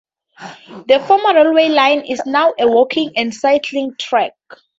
The former railway line is now a walking and cycling track.